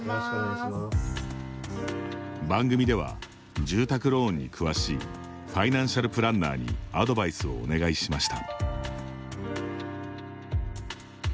番組では、住宅ローンに詳しいファイナンシャル・プランナーにアドバイスをお願いしました。